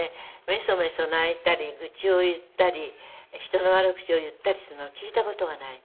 めそめそ泣いたり愚痴を言ったり人の悪口を言ったりするの聞いた事がない。